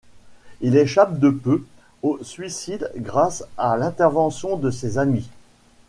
Il échappe de peu au suicide grâce à l'intervention de ses amis.